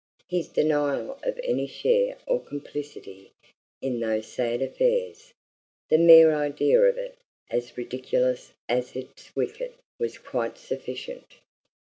His denial of any share or complicity in those sad affairs the mere idea of it as ridiculous as it's wicked was quite sufficient.